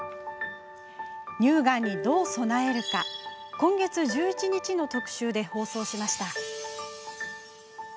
乳がんに、どう備えるか今月１１日の特集で放送しました。